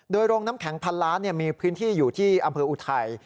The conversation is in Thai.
โดยโรงน้ำแข็งพันล้านมีพื้นที่อยู่ที่อำเภออุทัย